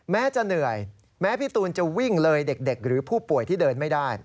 แม้จะเหนื่อยแม้พี่ตูนจะวิ่งเลยเด็กหรือผู้ป่วยที่เดินไม่ได้